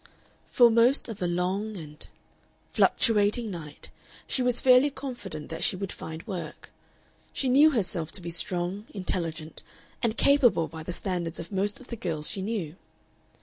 For most of a long and fluctuating night she was fairly confident that she would find work; she knew herself to be strong, intelligent, and capable by the standards of most of the girls she knew.